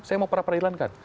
saya mau pra peradilan kan